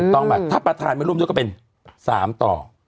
ถ้าประธานมาร่วมด้วยก็เป็น๓ต่อ๖